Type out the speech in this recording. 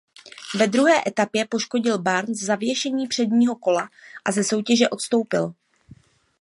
Ve druhé etapě poškodil Burns zavěšení předního kola a ze soutěže odstoupil.